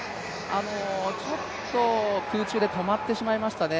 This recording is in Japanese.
ちょっと空中で止まってしまいましたね。